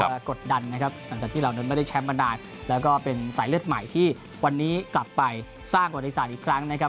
กดดันนะครับหลังจากที่เหล่านั้นไม่ได้แชมป์มานานแล้วก็เป็นสายเลือดใหม่ที่วันนี้กลับไปสร้างประวัติศาสตร์อีกครั้งนะครับ